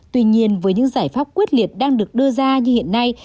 tuy nhiên với những giải pháp quyết liệt đang được đưa ra như hiện nay